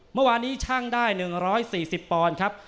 เมื่อวานนี้ช่างได้๑๔๐ปอนด์ครับ